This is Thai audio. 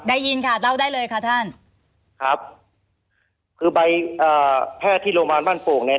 ได้ยินค่ะเล่าได้เลยค่ะท่านครับคือใบอ่าแพทย์ที่โรงพยาบาลบ้านโป่งเนี่ย